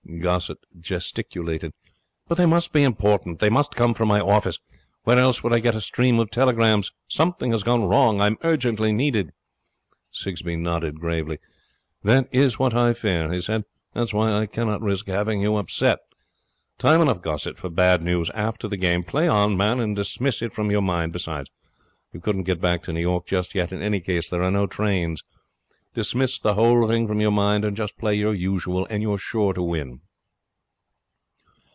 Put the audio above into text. Gossett gesticulated. 'But they must be important. They must come from my office. Where else would I get a stream of telegrams? Something has gone wrong. I am urgently needed.' Sigsbee nodded gravely. 'That is what I fear,' he said. 'That is why I cannot risk having you upset. Time enough, Gossett, for bad news after the game. Play on, man, and dismiss it from your mind. Besides, you couldn't get back to New York just yet, in any case. There are no trains. Dismiss the whole thing from your mind and just play your usual, and you're sure to win.'